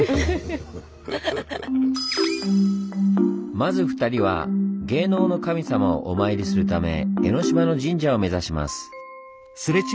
まず２人は芸能の神様をお参りするため江の島の神社を目指します。